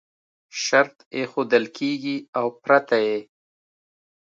شرط ایښودل کېږي او پرته یې